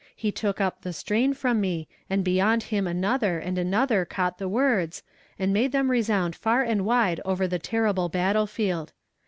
He took up the strain from me, and beyond him another, and another, caught the words, and made them resound far and wide over the terrible battle field.